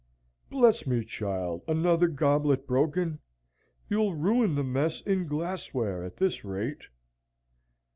Bless me, child, another goblet broken; you'll ruin the mess in glassware, at this rate!"